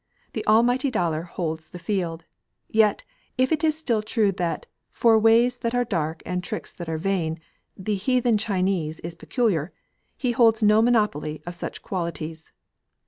The almighty dollar holds the field. Yet, if it is still true that "for ways that are dark and tricks that are vain," "the heathen Chinee" is "peculiar," he holds no monopoly of such qualities.